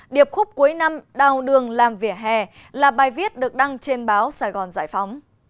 điệp khúc cuối năm đào đường làm vỉa hè là bài viết được đăng trên báo sài gòn giải phóng